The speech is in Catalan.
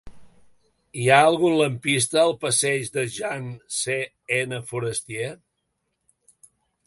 Hi ha algun lampista al passeig de Jean C. N. Forestier?